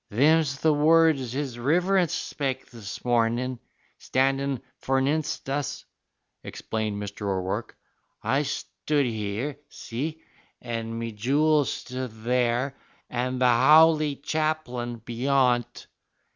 "Thim's the words his riverince spake this mornin', standin' foreninst us," explained Mr. O'Rourke. "I stood here, see, and me jew'l stood there, and the howly chaplain beyont."